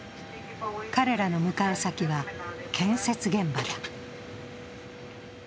彼らの向かう先は、建設現場だ。